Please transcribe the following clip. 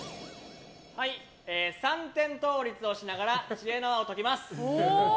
三点倒立をしながら知恵の輪を解きます。